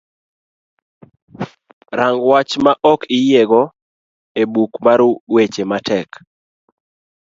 rang' wach ma ok iyiego e buk mar weche matek